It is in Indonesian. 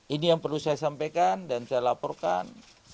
ini yang perlu saya sampaikan dan saya laporkan